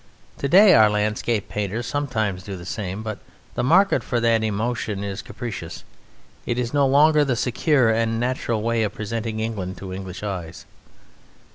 To day our landscape painters sometimes do the same, but the market for that emotion is capricious, it is no longer the secure and natural way of presenting England to English eyes.